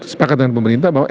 sepakat dengan pemerintah bahwa